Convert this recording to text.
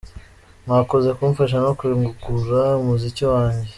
Mwakoze kumfasha no kugura umuziki wanjye.